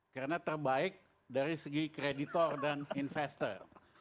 karena terbaik dari segi kreditor dan investor